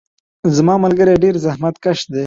زما ملګري ډیر زحمت کش دي.